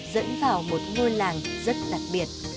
dẫn vào một ngôi làng rất đặc biệt